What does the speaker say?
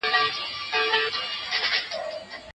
درس به په کور کي وړاندې سي.